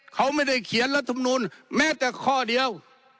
เขาไม่ได้เขียนรัฐมนุนแม้แต่ข้อเดียว